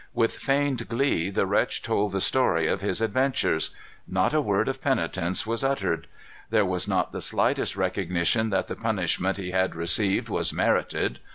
With feigned glee the wretch told the story of his adventures. Not a word of penitence was uttered. There was not the slightest recognition that the punishment he had received was merited.